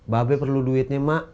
babe perlu duitnya mak